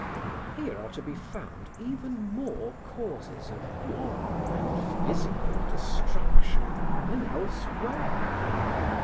Here are to be found even more causes of moral and physical destruction than elsewhere.